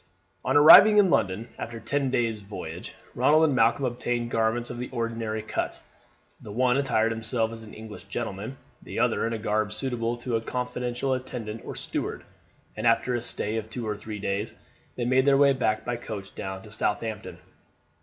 On arriving in London, after ten days' voyage, Ronald and Malcolm obtained garments of the ordinary cut. The one attired himself as an English gentleman, the other in a garb suitable to a confidential attendant or steward, and after a stay of two or three days they made their way by coach down to Southampton.